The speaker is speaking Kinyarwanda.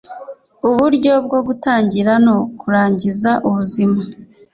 uburyo bwo gutangira no kurangiza ubuzima